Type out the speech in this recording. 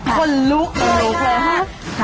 คนลุกเลย